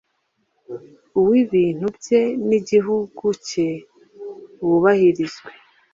uw’ibintu bye n’igihugu cye wubahirizwe